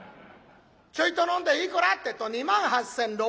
ちょいと飲んで「いくら？」ってえと「２万８，６００円」。